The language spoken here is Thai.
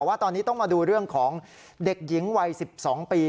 แต่ว่าตอนนี้ต้องมาดูเรื่องของเด็กหญิงวัย๑๒ปี